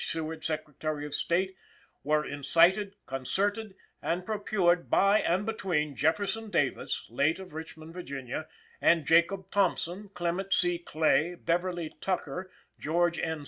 Seward, Secretary of State, were incited, concerted, and procured by and between Jefferson Davis, late of Richmond, Va., and Jacob Thompson, Clement C. Clay, Beverly Tucker, George N.